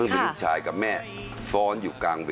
มาฟ้อน